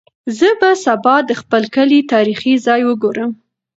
زه به سبا د خپل کلي تاریخي ځای وګورم.